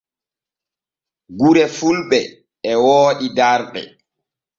Gure fulɓe e wooɗi darɗe.